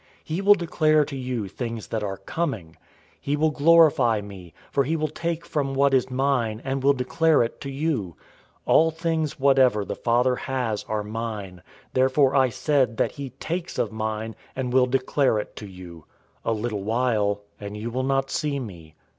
He will declare to you things that are coming. 016:014 He will glorify me, for he will take from what is mine, and will declare it to you. 016:015 All things whatever the Father has are mine; therefore I said that he takes{TR reads "will take" instead of "takes"} of mine, and will declare it to you. 016:016 A little while, and you will not see me.